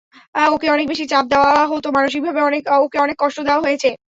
ওকে অনেক বেশি চাপ দেওয়া হতো, মানসিকভাবে ওকে অনেক কষ্ট দেওয়া হয়েছে।